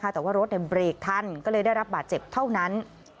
แต่ว่ารถเบรกทันก็เลยได้รับบาดเจ็บเท่านั้น